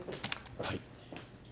はい。